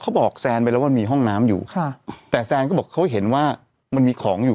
บอกแซนไปแล้วว่ามีห้องน้ำอยู่ค่ะแต่แซนก็บอกเขาเห็นว่ามันมีของอยู่